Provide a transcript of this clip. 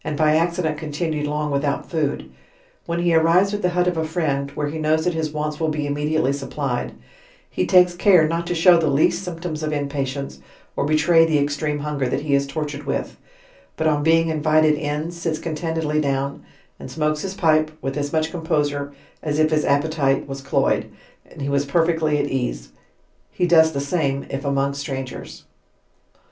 by accident continued long without food, when he arrives at the hut of a friend, where he knows that his wants will be immediately supplied, he takes cure not to show the least symptoms of impatience, or betray the extreme hunger that he is tortured with; but on being invited in, sits contentedly down, and smokes his pipe with as much composure as if Jiis appetite was cloyed, and he was .perfectly at ease: he does the same if among strangers.